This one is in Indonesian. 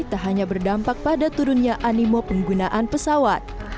tak hanya berdampak pada turunnya animo penggunaan pesawat